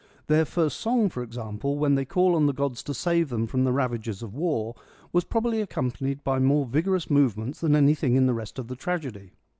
Their first song, for example, when they call on the gods to save them from the ravages of war, was probably accompanied by more vigorous movements than anything in the rest of the tragedy.